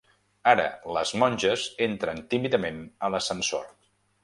Ara les monges entren tímidament a l'ascensor.